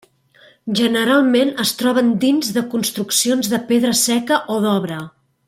Generalment es troben dins de construccions de pedra seca o d'obra.